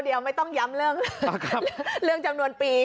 เดี๋ยวไม่ต้องย้ำเรื่องจำนวนปี